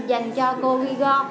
dành cho cô ghi gò